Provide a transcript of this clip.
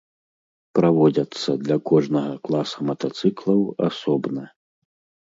Праводзяцца для кожнага класа матацыклаў асобна.